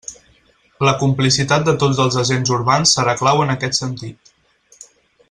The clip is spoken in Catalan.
La complicitat de tots els agents urbans serà clau en aquest sentit.